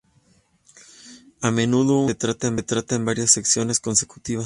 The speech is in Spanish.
A menudo, un tema se trata en varias secciones consecutivas.